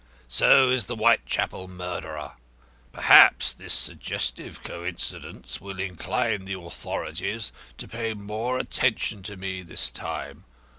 So is the Whitechapel murderer. Perhaps this suggestive coincidence will incline the authorities to pay more attention to me this time.